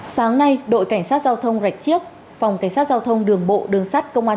sáng nay đội cảnh sát giao thông rạch chiếc phòng cảnh sát giao thông đường bộ đường sát công an